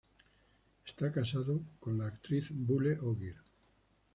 Está casado con la actriz Bulle Ogier.